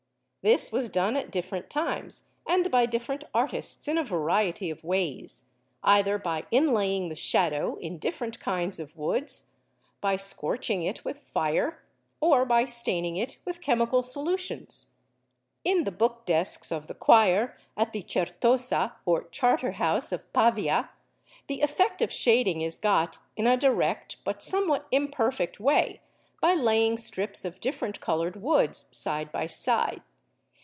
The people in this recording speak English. This was done at different times and by different artists in a variety of ways; either by inlaying the shadow in different kinds of woods, by scorching it with fire, or by staining it with chemical solutions. In the book desks of the choir at the Certosa or Charterhouse of Pavia, the effect of shading is got in a direct but somewhat imperfect way by laying strips of different coloured woods side by side.